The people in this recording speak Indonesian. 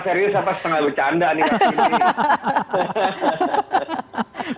ini bang ipang serius apa setengah lu canda nih